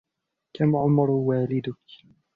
كم عمر والدك ؟